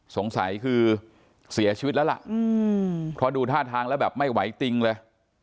สงสัยคือเสียชีวิตแล้วล่ะเพราะดูท่าทางแล้วแบบไม่ไหวติงเลย